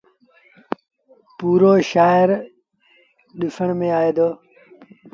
پورو شآهر ڏسڻ ميݩ آئي دو۔